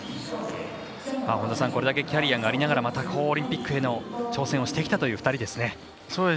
これだけキャリアがありながらオリンピックへの挑戦をしてきた２人ですね。